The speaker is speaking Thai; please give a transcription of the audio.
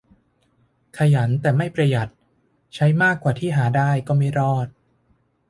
ขยันแต่ไม่ประหยัด ใช้มากกว่าที่หาได้ ก็ไม่รอด